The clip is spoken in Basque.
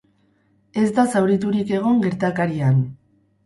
Ez da zauriturik egon gertakarian.